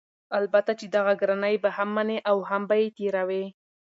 البته چې دغه ګرانی به هم مني او هم به یې تېروي؛